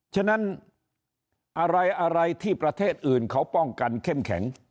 ฉะนั้นอะไรที่ประเทศอื่นเขาป้องกันเข้มแข็ง